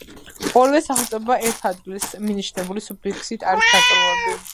ორივე სახელწოდება ეთ ადგილის მანიშნებელი სუფიქსით არის ნაწარმოები.